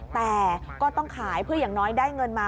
แต่ก็ต้องขายเพื่ออย่างน้อยได้เงินมา